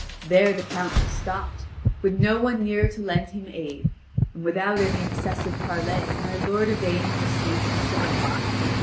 There the Count was stopped, with no one near to lend him aid; and without any excessive parley my lord Yvain received his surrender.